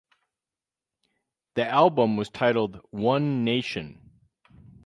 The album was titled One Nation.